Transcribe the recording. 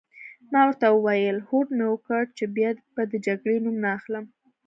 ما ورته وویل: هوډ مي وکړ چي بیا به د جګړې نوم نه اخلم.